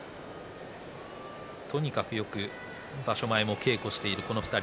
とにかく、よく場所前も稽古しているこの２人。